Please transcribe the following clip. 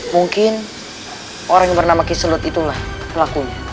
mungkin orang yang bernama kiselut itulah pelakunya